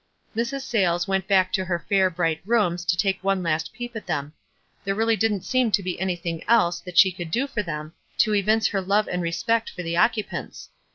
Mrs. Sayles went back to her fair bright rooms to take one last peep at them. There really didn't seem to be anything else that she could do for them to evince her love and respect for the occupants.